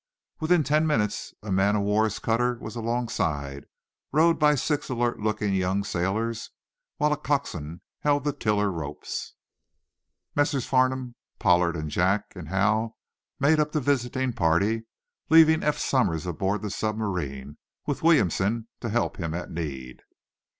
Within ten minutes a man o war's cutter was alongside, rowed by six alert looking young sailors, while a coxswain held the tiller ropes. Messrs. Farnum and Pollard, Jack and Hal made up the visiting party, leaving Eph Somers aboard the submarine, with Williamson to help him at need.